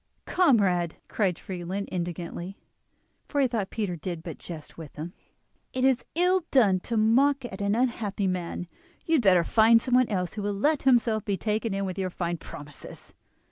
"Comrade," cried Friedlin indignantly, for he thought Peter did but jest with him, "it is ill done to mock at an unhappy man; you had better find someone else who will let himself be taken in with your fine promises."